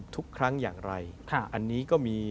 ทุกครั้งอย่างไรอันนี้ก็มี